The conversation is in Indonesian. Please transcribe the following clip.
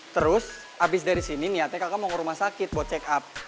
terus habis dari sini niatnya kakak mau ke rumah sakit buat check up